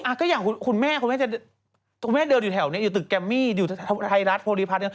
ก็อย่างคุณแม่คุณแม่จะคุณแม่เดินอยู่แถวนี้อยู่ตึกแกมมี่อยู่ไทยรัฐโพลิพัฒน์